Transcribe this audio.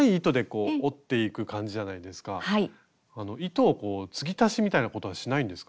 糸をこう継ぎ足しみたいなことはしないんですか？